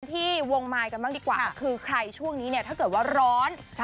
ที่วงมายกันบ้างดีกว่าคือใครช่วงนี้เนี่ยถ้าเกิดว่าร้อน